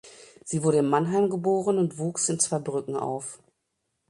Sie wurde in Mannheim geboren und wuchs in Zweibrücken auf.